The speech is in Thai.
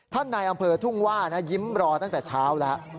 ในอำเภอทุ่งว่านะยิ้มรอตั้งแต่เช้าแล้ว